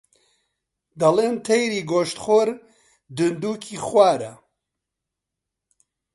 دەڵێن تەیری گۆشتخۆر دندووکی خوارە